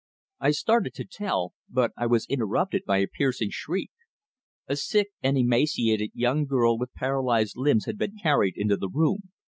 I started to tell; but I was interrupted by a piercing shriek. A sick and emaciated young girl with paralyzed limbs had been carried into the room.